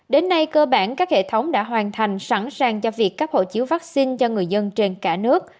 đến nay cơ bản các hệ thống đã hoàn thành sẵn sàng cho việc cấp hộ chiếu vaccine cho người dân trên cả nước